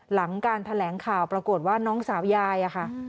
หลังการแถลงข่าวปรากฏว่าน้องสาวยายอะค่ะ